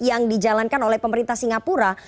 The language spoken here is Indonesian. yang dijalankan oleh pemerintah singapura